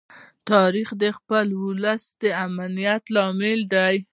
تاریخ د خپل ولس د امنیت لامل دی.